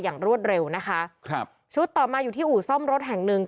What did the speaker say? รวดเร็วนะคะครับชุดต่อมาอยู่ที่อู่ซ่อมรถแห่งหนึ่ง